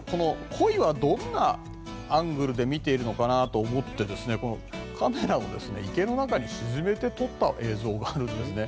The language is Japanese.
コイはどんなアングルで見ているのかなと思ってカメラを池の中に沈めて撮った映像があるんですね。